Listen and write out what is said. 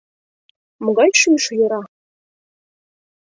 Могай шӱйшӧ йора?